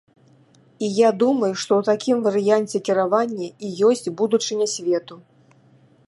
І я думаю, што ў такім варыянце кіравання і ёсць будучыня свету.